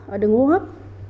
ở đường hô hấp